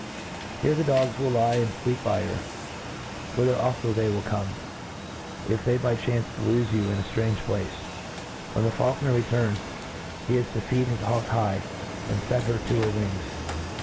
Here the dogs will lie and fleepby her ; whither alfo they will come, if they chance to lofe you in a ftrange place. When the faulconer returns, he is to feed his hawk high, and fet her to her wings.